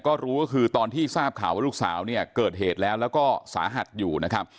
ก็รู้ก็คือตอนที่ทราบข่าวว่าลูกสาวเนี่ยเกิดเหตุแล้วแล้วก็สาหัสอยู่นะครับ